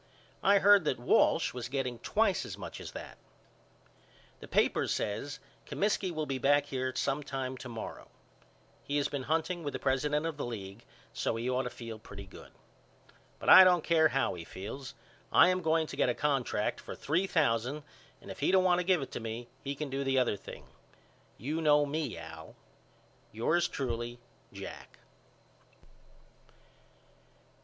I heard that Walsh was getting twice as much as that. The papers says Comiskey will be back here sometime to morrow. He has been hunting with the president of the league so he ought to feel pretty good. But I don't care how he feels. I am going to get a contract for three thousand and if he don't want to give it to me he can do the other thing. You know me Al. Yours truly, JACK.